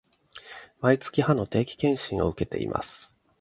毎月、歯の定期検診を受けています